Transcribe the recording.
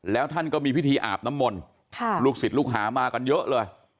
แล้วท่านก็มีพิธีอาบน้ำมนต์ลูกศิษย์ลูกหามากันเยอะเลย